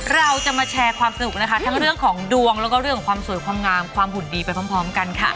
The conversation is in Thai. เราจะมาแชร์ความสนุกนะคะทั้งเรื่องของดวงแล้วก็เรื่องของความสวยความงามความหุ่นดีไปพร้อมกันค่ะ